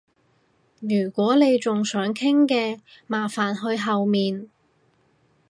如果你仲想傾嘅，麻煩去後面